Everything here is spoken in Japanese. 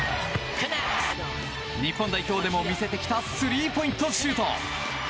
日本代表でも見せてきたスリーポイントシュート！